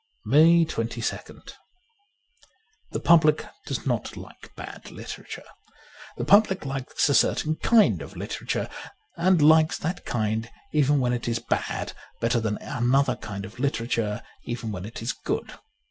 ^ iSS MAY 22nd THE public does not like bad literature. The public likes a certain kind of literature, and likes that kind even when it is bad better than another kind of literature even when it is good.